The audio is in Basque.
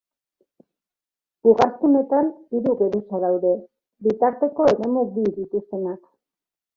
Ugaztunetan hiru geruza daude, bitarteko eremu bi dituztenak.